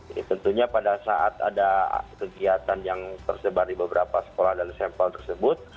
jadi tentunya pada saat ada kegiatan yang tersebar di beberapa sekolah dan sampel tersebut